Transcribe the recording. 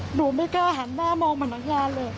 หนูไม่กล้าหันหน้ามองพนักงานเลย